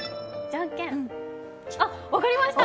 あっ、分かりました！